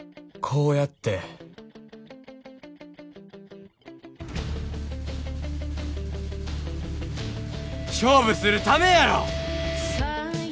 こうやって勝負するためやろ！